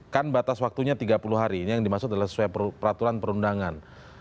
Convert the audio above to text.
kan batas waktunya tiga puluh hari ini yang dimaksud adalah sesuai peraturan perundangan